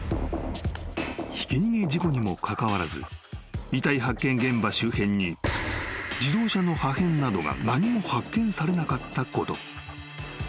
［ひき逃げ事故にもかかわらず遺体発見現場周辺に自動車の破片などが何も発見されなかったこと］